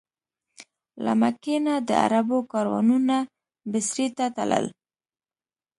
له مکې نه د عربو کاروانونه بصرې ته تلل.